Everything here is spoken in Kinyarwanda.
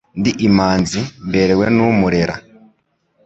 Ndi imanzi mberewe n'umurera.